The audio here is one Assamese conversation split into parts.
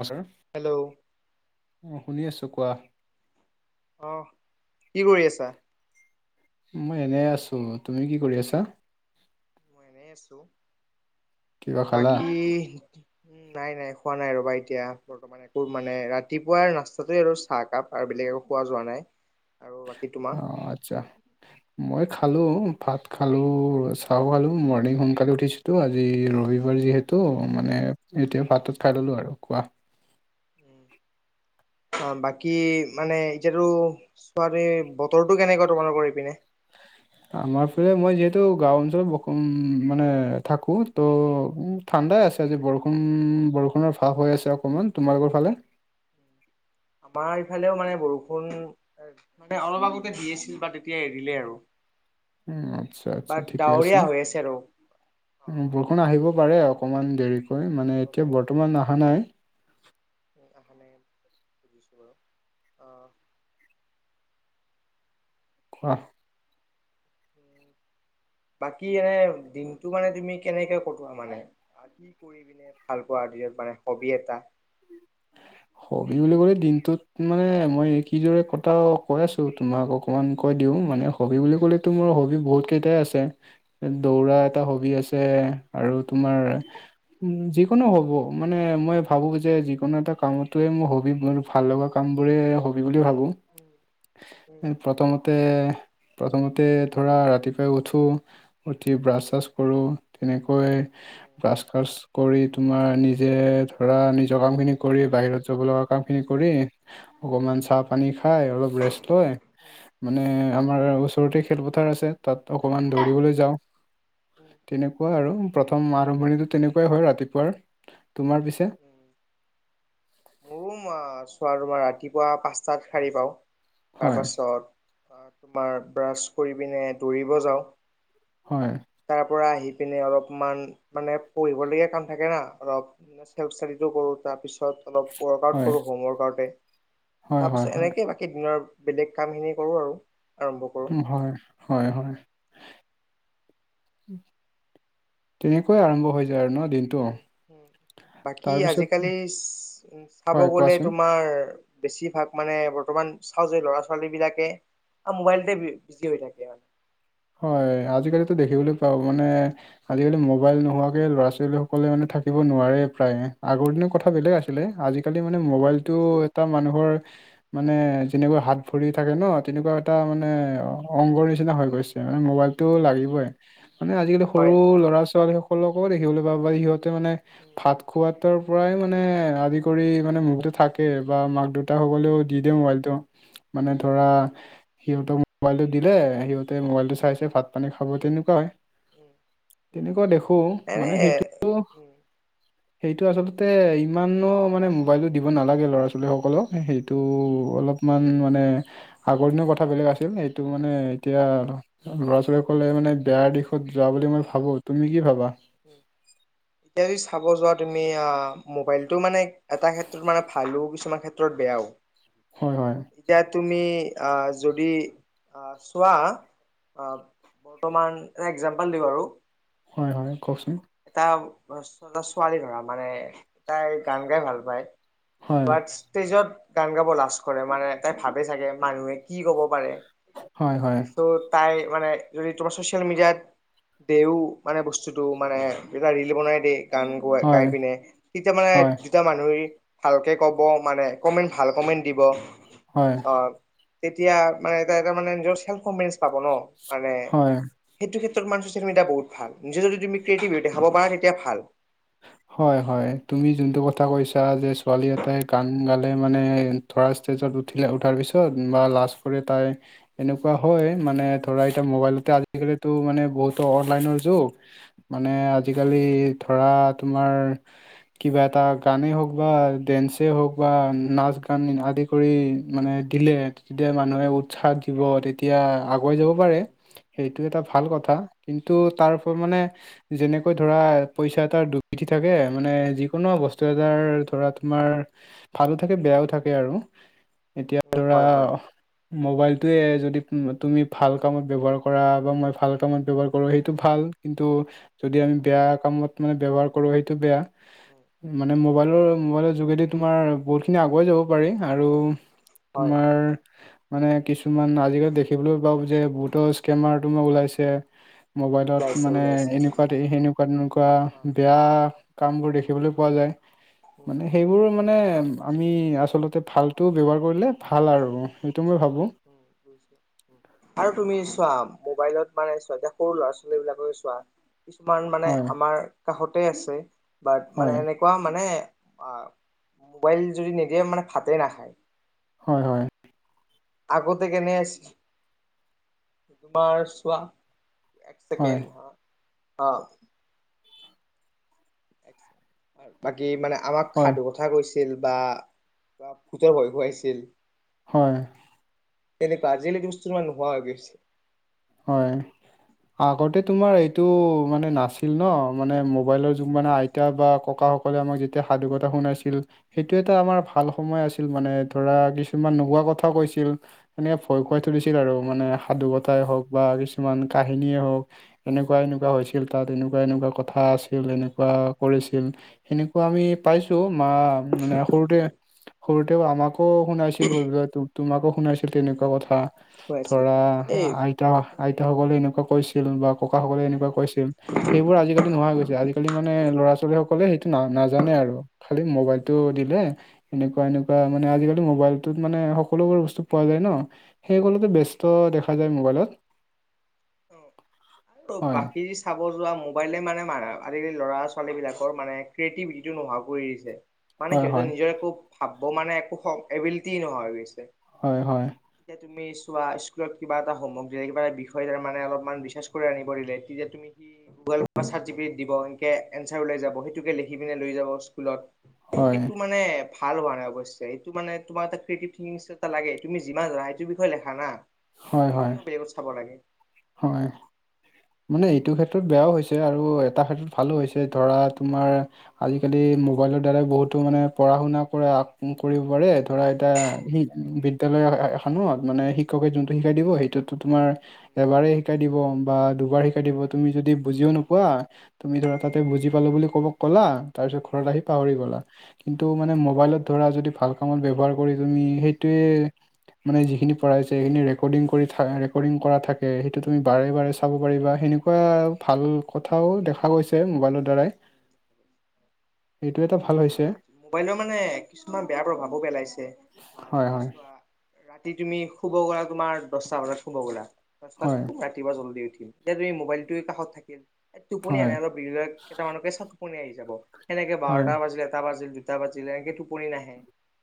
অ ছাৰ হেল্ল' অঁ শুনি আছোঁ কোৱা অহ কি কৰি আছা মই এনে আছো তুমি কি কৰি আছা মই এনেই আছো কিবা খালা বাকীহ নাই নাই খোৱা নাই ৰবা এতিয়া বৰ্তমান ম একো মানে ৰাতিপুৱাই ৰাস্তাটোৱে আৰু চাহকাপ আৰু বেলেগ একো খোৱা যোৱা নাই আৰু বাকী অ তোমাৰ আচ্ছা মই খালো ভাত খালো চ চাওঁ খালোঁ মৰ্ণিং সোনকালে উঠিছো আজি ৰবিবাৰ যিহেত টো মানে এতিয়া ভাতটোত খাই ললো আৰু কোৱা উম অ বাকী মানে এতিয়াতো ছোৱালী বতৰটো কেনেকুৱা তোমাৰ কৰি এইপিনে আমাৰ ফালে মই যিহেতু গাঁও অঞ্চলত ব মানে থাকোঁ ত' ঠাণ্ডাই আছে আজি বৰষুণ বৰষুণৰ ভাৱ হৈ আছে অকমান তোমালোকৰ ফালে আমাৰ ইফালেও মানে বৰুষুণ মানে অলপ আগতে দি আছিল বা তেতিয়াই এৰিলে আৰু উ আচ্ছা বা আচ্ছা ঠিকে আছে ডাৱৰীয়া হৈ আৰু উ বউষুণ আহিব পাৰে অকমান দেৰিকৈ মানে আহিব এতিয়া পাৰে বৰ্তমান অহা নাই [unintelligible] অহ বাকী এনে দিনটো মানে তুমি কেনেকে কটোৱা মানে কৰি পিনে ভাল পোৱাৰ দিনত মানে হবি এটা [inaudible] হবি বুলি কলে দিনটোত মানে মই কিদৰে কতাও কৈ আছো তোমাকক অকমান কৈ দিওঁ মানে হবি বুলি ক'লেতো মোৰ হবি বহুত কেইটাই আছে এ দৌৰা গম এটা পাইছোঁ। হবি আছে আৰু তোমাৰ উ যিকোনো হ'ব মানে মই ভাবো যে যি কোনো এটা কামতে মোৰ হবি মোৰ ভাল লগা কাম বোৰে হবি বুলি ভাবো এ প্ৰথমতে প্ৰথমতে ধৰা ৰাতিপুৱাই উঠোঁ উঠি ব্ৰাছ ব্ৰাছ কৰো তেনেকৈ ব্ৰাচ চ্ৰাচ কৰি তোমাৰ নিজে ধৰা নিজৰ কামখিনি কৰি বাহিৰত যাব লগা কামখিনি কৰি অকণমান চাহ পানী খাই অলপ ৰেষ্ট লয় মানে আমাৰ ওচৰতে খেলপথাৰ আছে তাত অকমান দৌৰিবলৈ যাওঁ তেনেকুৱা আৰু প্ৰথম আৰম্ভণিতো তেনেকুৱাই হয় ৰাতিপুৱাৰ। তোমাৰ পিছে? মোৰো চোৱা তোমাৰ ৰাতিপুৱা পাঁচটাত সাৰী পাওঁ হয় তাৰপাছত তোমাৰ ব্ৰাছ কৰি পিনে দৌৰিব যাওঁ হয় তাৰ পৰা আহি পিনে অলপমান মানে পঢ়িবলগীয়া কাম থাকে না অলপ [unintelligible] চাৰিটো কৰোঁ তাৰপিছত অলপ ৱৰ্কআউট হয় কৰোঁ হোম ৱৰ্কআউটতে হয় হয় তাৰপিছত হয় এনেকেই বা কী দিনৰ বেলেগ কামখিনি কৰোঁ আৰু আৰম্ভ কৰোঁ উম হয় হয় হয় তেনেকৈ আৰম্ভ হৈ যায় আৰু ন দিনটো বাকী তাৰপিছত আজি-কালি চাব হয় গ'লে কোৱাচোন তোমাৰ বেছিভাগ মানে বৰ্তমান চাওঁ যে ল'ৰা ছোৱালী বিলাকে আৰু মোবাইলতে বিজি হৈ থাকে মানে হয় আজি-কালিতো দেখিবলৈ পাওঁ মানে আজি-কালি ম'বাইল নোহোৱাকে ল'ৰা ছোৱালী সকলে মানে থাকিব নোৱাৰে প্ৰায়ে আগৰ উম, দিনৰ কথা বেলেগ আছিলে উম। আজি-কালি মানে কথা ম'বাইলটো বেলেগ আছিল। এটা মানুহৰ মানে যেনেকুৱা হাত ভৰি থাকে ন তেনেকুৱা এটা মানে উম, অংগৰ নিচিনা হৈ গৈছে। মানে উম, ম'বাইলটো উম। লাগিবই মানে আজি-কালি সৰু হয়। ল'ৰা ছোৱালী সকলোকো দেখলৈ পাওঁ বা সিহঁতে মানে উম ভাত খোৱাতৰ পৰাই মানে আদি কৰি মানে মুখতো থাকে বা মাক দেউ তা সকলেও দি দিয়ে উম, ম'বাইলটো মানে ধৰা উম, সিহঁতক মোবাইলটো দিলে সিহঁ তে ম'বাইলটো উম, চাইছে উম, ভাত পানী খাব তেনেকুৱাই হয় উম, উম। তেনেকুৱা দেখো এনে মানে সেইটোতো উম, সেইটো আচলতে ইমানো মানে মোবাইলটো দিব নালাগে ল'ৰা ছোৱালীসকলক সেই এইটো নালাগে নালাগে অলপমান মানে উম, আগৰ দিনৰ কথা বেলেগ আছিল সেইটো মানে এতিয়া উম, ল'ৰা ছোৱালী সকলে মানে বেয়া দিশত যোৱা বুলি উম, মই ভাবোঁ তুমি কি উম, ভাবা উম এতিয়া এই চাব যোৱা তুমি আ মোবাইলটো মানে এটা ক্ষেত্ৰত মানে ভালো কিছুমান ক্ষেত্ৰত বেয়াও [inaudible] হয় হয় এতিয়া তুমি আহ যদি আহ চোৱা আহ বৰ্তমান এটা এক্জাম্পল দিওঁ আৰু হয় হয় কওকচোন [unintelligible] এটা ছোৱালী ধৰা মানে তাই গান গাই ভাল পায় হয় বা ষ্টেজত গান গাব লাজ কৰে মানে তাই ভাবে চাগে মানুহে কি ক'ব পাৰে হয় হয় তাছত তাই মানে যদি তোমাৰ ছ'চিয়েল মিডিয়াত দেও মানে বস্তুটো মানে কিবা ৰিল বনাই দেই গান গোৱা গাই হয় পিনে তেতিয়া মানে হয় তেতিয়া মানুহে ভালকে কব মানে কমেণ্ট ভাল কমেণ্ট দিব হয় অ তেতিয়া মানে এটা এটা মামে নিজৰ চেল্ফ কনফিডেন্স পাব ন মানে হয় সেইটো ক্ষেত্ৰ মান ছচিয়েল মেডিয়া বহুত ভাল নিজে যদি তুমি ৰিয়েটিভিটি দেখাব পাৰা তেতিয়া ভাল। হয়, হয়, তুমি যোনটো কথা কৈছা যে ছোৱালী এটাই গান গালে মানে ধৰা ষ্টেজত উঠিলে উঠাৰ পিছত বা লাষ্ট পৰে তাই এনেকুৱা হয় মানে ধৰা এতিয়া মোবাইলতে আজিকালিতো মানে বহুতো অনলাইনৰ যুগ মানে আজিকালি ধৰা তোমাৰ কিবা এটা গানে হওঁক বা ডেন্সে হওঁক বা নাচ গান আদি কৰি মানে দিলে তেতিয়া মানুহে উৎসাহ দিব তেতিয়া আগুৱাই যাব পাৰে। সেইটো এটা ভাল কথা কিন্তু তাৰ ওপৰত মানে যেনেকৈ ধৰা পইচা এটাৰ দু পিঠি থাকে মানে যিকোনো বস্তু এটাৰ ধৰা তোমাৰ ভালো থাকে বেয়াও থাকে আৰু এতিয়া ধৰা হয় হয় মোবাইলটোয়ে যদি তুমি ভাল কামত ব্যৱহাৰ কৰা বা মই ভাল কামত ব্যৱহাৰ কৰোঁ সেইটো ভাল কিন্তু যদি আমি বেয়া কামত মানে ব্যৱহাৰ কৰোঁ সেইটো বেয়া। মানে মোবাইলৰ মোবাইলৰ যোগেদি তোমাৰ বহুতখিনি আগুৱাই যাব পাৰি আৰু হয় তোমাৰ মানে কিছুমান আজিকালি দেখিবলৈ পাওঁ যে পাওঁ যে স্কেমাৰ তোমাৰ ওলাইছে। মোবাইলত ওলাইছে মানে ওলাইছে এনেকুৱা সেনেকুৱা তেনেকুৱা অ হয় বেয়া কামবোৰ দেখিবলৈ পোৱা যায়। মানে সেইবোৰ মানে অ', আমি উম, আচলতে ভাল টো ব্যৱহাৰ কৰিলে ভাল আৰু সেইটো মই ভাবোঁ। উম, বুজিলো। আৰু তুমি চোৱা মোবাইলত মানে চোৱা এতিয়া সৰু ল'ৰা ছোৱালীবিলাকে চোৱা। কিছুমান মানে হয় আমাৰ কাষতে আছে বাট মানে হয় এনে মানে মোবাইল যদি নিদিয়ে মানে ভাতেই নাখায়। হয়, হয়। আগতে কেনে আছিল তোমাৰ চোৱা। এক হয় চেকেণ্ড হা অ'। এক ছেকেণ্ড বাকী মানে আমাক হয় সাধু কথা কৈছিল বা ভোতৰ ভয় খুৱাইছিল। হয়। এনেকুৱা আজি লৈকে বস্তু ইমান নোহোৱা হৈ গৈছে। হয়, আগতে সেইটো বিষয়ে তোমাৰ তুমি কি এইটো কোৱা? মানে নাছিল ন মানে মোবাইলৰ যুগ মানে আইতা বা ককাসকলে আমাক যেতিয়া সাধুকথা শুনাইছিল। সেইটো এটা আমাৰ ভাল সময় আছিল মানে ধৰা কিছুমান নোহোৱা কথা কৈছিল। সেনেকে ভয় উম, খুৱাই উম, তুলিছিল আৰু হয়, মানে উম, সাধুকতাই হওঁক বা কিছুমান কাহিনীয়েই হওঁক। এনেকুৱা উম, এনেকুৱা হৈছিল তাত এনেকুৱা উম, এনেকুৱা কথা আছিল এনেকুৱা উম, কৰিছিল। হয়। সেনেকুৱা আমি পাইছো ম মানে সৰুতে সৰুতেও আমাক শুনাইছিল ব তোমাকো শুনাইছিল তেনেকুৱা উম কথা কৈ আছিলো ধৰা এই আই আইতাসকলে এনেকুৱা কৈছিল বা ককাসকলে এনেকুৱা কৈছিল। সেইবোৰ আজিকালি নোহোৱা গৈছে আজিকালি মানে ল'ৰা ছোৱালী সকলে সেইটো না নাজানে আৰু। খালি মোবাইলটো দিলে। এনেকুৱা এনেকুৱা মানে আজিকালি মোবাইলটোত মানে সকলোবোৰ বস্তু পোৱা যায় ন। সেইবোৰতে ব্যস্ত দেখা যায় মোবাইলত। ত' হয় বাকী চাব যোৱা মোবাইলে মানে মৰা আজিকালি ল'ৰা ছোৱালীবিলাকৰ মানে ক্ৰিয়েটিভিটিটো নোহোৱা কৰি দিছে। মানে হয় সিহঁতে হয় নিজৰ একো ভাবিব মানে একো এবিলিটি নোহোৱা গৈছে। হয়, হয়। এতিয়া তুমি চোৱা স্কুলত কিবা এটা সামগ্ৰী কিবা এটা বিষয়ে ত মানে অলপমান ৰিচাৰ্চ কৰি আনিব দিলে তেতিয়া তুমি সি গুগল চেত জিটিপি দিব এনকে এনচাৰ ওলাই যাব সেইটোকে লিখি পিনে লৈ যাব স্কুলত হয় সেইটো মানে ভাল হোৱা নাই অৱশ্যে এইটো মানে তোমাৰ এটা ক্ৰিয়েটি থংকি এ নিচিনা লাগে তুমি যিমান যানা সেইটো বিষয়ে লেখা না হয় তুমি হয় কিয় বেলেগত চাব লাগে হয় মানে এইটো ক্ষেত্ৰত বেয়াও হৈছে আৰু এটা ক্ষেত্ৰত ভালো হৈছে ধৰা তোমাৰ আজিকালি মোবাইলৰ দ্বাৰা বহুতো মানে পঢ়া শুনা কৰে, কৰিব পাৰে। ধৰা এটা হয় সি ক্ষতি হয় বি এয়ালে এয়ালে খনো মানে শিক্ষকে যোনটো শিকাই দিব সেইটোতো তোমাৰ এবাৰেই শিকায় দিব বা দুবাৰ শিকাই দিব এবাৰে তুমি যদি বুজিও উম নোপোৱা তুমি ধৰা উম তাতে বুজি পালো বুলি কবক ক'লা তাৰ পিছত ঘৰত উম আহি পাহৰি উম গলা কিন্তু মানে উম মোবাইলত ধৰা যদি ভাল কামত ব্যৱহাৰ কৰি তুমি সেইটোয়ে মানে যিখিনি পঢ়াই সেই খিনি ৰেকৰ্ডিং কৰি থ ৰেকৰ্ডিং কৰা থাকে সেইটো তুমি বাৰে বাৰে চাব পাৰিবা সেনেকুৱা ভাল উম কথাও দেখা গৈছে মোবাইলৰ দ্বাৰাই উম উম এইটো এটা বাকী ভাল হৈছে মোবাইলৰ মানে কিছুমান বেয়া প্ৰভাৱো পেলাইছে হয় যদি হয় চোৱা ৰাতি তুমি শুব গলা তোমাৰ দশটা বানাত শুব গলা দহটাত হয় ৰাতি ৰাতিপুৱা জল্দি উঠিম এতিয়া এই মোবাইলটো কাষত থাকিল টোপনি হয় এনাই অলপ কেইটামানকে চত টোপনি আহি যাব সেনেকে হয় বাৰটা বাজিল এটা বাজিল ছয় টা বাজিলে কি টোপনি নাহে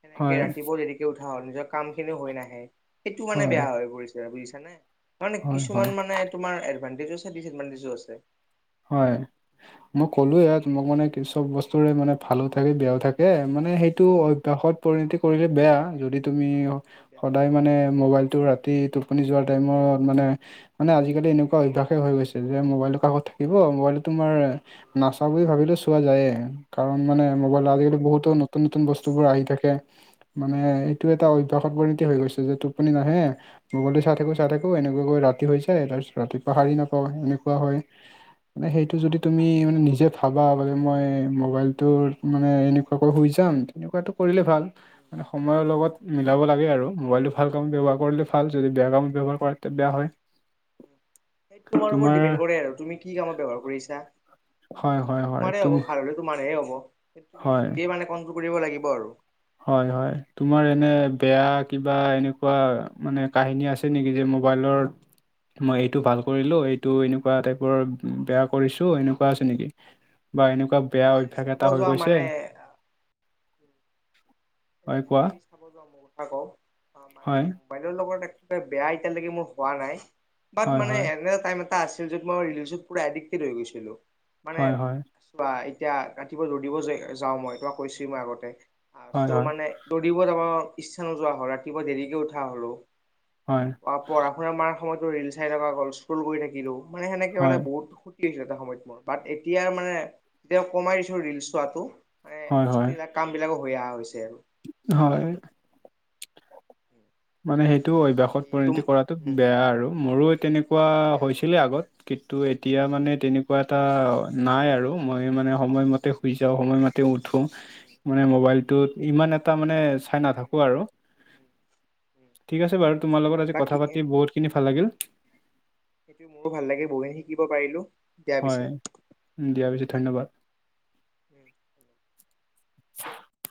সেনেকৈ হয় ৰাতিপুৱা যেৰিকৈ উঠা হয় নিজৰ কামখিনিও হৈ নাহে সেইটো মানে হয় বেয়া হৈ পৰিছে বুজিছানে তাৰ মানে হয় কিছুমান হয় মানে তোমাৰ এডভানটেজোছে ডচএডভানটেজো আছে হয় মই ক'লো এ তোমাক মানে কি চব বস্তুৰে মানে ভালো থাকে বেয়াও থাকে এ মানে উম সেইটো বেয়াও থাকে অভ্যাসত পৰিণতি কৰিলে বেয়া যদি তুমি উম অভ্যাসত সদায় মানে নালাগে মোবাইলতটো ৰাতি টোপনি যোৱাৰ উম টাইমত মানে উম মানে আজিকালি এনেকুৱা অ অভ্যাসে হৈ গৈছে যে মোবাইলটো কাষত থাকিব উম, মোবাইলটো তোমাৰ উম, নাচাওঁ বুলি ভাবিলে চোৱা যায়ে কাৰণ মানে মোবাইল যাবই আজিকালি যাবই। বহুতো নতুন নতুন বস্তুবোৰ আহি থাকে মানে উম, এইটো এটা অভ্যাসত পৰিণতি হৈ গৈছে যে টোপনি নাহে বগলী চাই থাকো চাই উম, থাকো এনেকুৱা গৈ ৰাতি হৈ তাৰ পিছত ৰাতিপুৱা হাৰি নাপাওঁ এনেকুৱা হয় উম, মানে সেইটো যদি তুমি মানে নিজে ভাবা উম, বে মই মোবাইল। তোৰ মানে উম, এনেকুৱাকৈ শুই যাম। তেনেকুৱা তটো কৰিলে ত উম, উম, সময় লগত মিলাব উম, লাগে আৰু মোবাইল কামত ব্যৱহাৰ কৰিলে। ভাল যদি বেয়া কাম ব্যয়ৱহাৰ কৰে তেতিয়া উম, বেয়া হয় উম। সেই ওপৰত তোমাৰ- ডিপেণ্ড তুমি কি কামত ব্যৱহাৰ কৰিছা। হয় হয় হয় মানে তুম হৈ ভাল। মানেহে হ'ব তুমি হয় নিজে মানে কমোৰ কৰিব লাগিব আৰু হয় হয় তোমাৰ এনে বেয়া কিবা এনেকুৱা মানে কাহিনী আছে। আছে নেকি যে মোবাইলৰ মই এইটো ভাল কৰিলো এইটো এনেকুৱা টাইপৰ বেয়া কৰিছো এনেকুৱা আছে নেকি,। বা এনেকুৱা বেয়া অভ্যয়াস এটা হৈ গৈছে। এ হয়। এ কোৱা বিশেষকৈ চাব যোৱা মোৰ কথা কওঁ মানে। হয় বাহিৰৰ লগত এতিয়া মই শুৱা নাই বাট হয় মানে হয় এনে টাইমত। তাই আছিল য'ত মই ৰিলেশ্বিপ পুৰা এডিক্টেড হৈ গৈছিলো। মানে হয় হয় বা এতিয়া ৰাতিপুৱা দৌৰিব যাওঁ মই, তোমাক কৈছো মই আগতে, হয় চ' হয় মানে দৌৰিব যাব নোৱাৰো, ইচ্ছা নোযোৱা হয়, ৰাতিপুৱা দেৰিকে উঠা হ'লো। হয়। অ' পঢ়া শুনা মাৰ সময়তো ৰিল চাই থকা স্কৰ্ল কৰি থাকিলো, মানে সেনেকে মানে হয়, বহুত ছোএটা সময়ত মোৰ, বাট এতিয়াৰ মানে এতিয়া কমাই দিছো ৰিলচ চোৱাটো মানে, হয়, হয়, বস্তুবিলাক কাম বিলাকো হৈ অহা হৈছে। হয়। মানে সেইটো অভ্যাসত বাকী তুম পৰিণতি কৰাটো উম বেয়া আৰু, মোৰো তেনেকুৱা বেয়া আৰু হৈছিলে আগত। কিন্তু এতিয়া উম মানে তেনেক এনেকুৱা এটা নাই আৰু, মই মানে সময়মতে উম উম শুই যাওঁ সময়মতে উঠো। মানে উম মোবাইলটোত ইমান এটা মানে চাই উম নাথাকো আৰু। উম উম ঠিক আছে বাৰু তোমাৰ লগত আজি বাকী কথা পাতি উম বহুতখিনি উম ভাল লাগিল। সেইটো মোৰো ভাল লাগে বহু শিকিব পাৰিলো। দিয়া পিছে হয়। দিয়া পিছে ধন্যবাদ। ওম'।